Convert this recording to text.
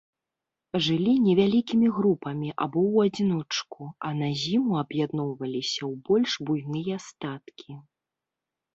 Жылі невялікімі групамі або ў адзіночку, а на зіму аб'ядноўваліся ў больш буйныя статкі.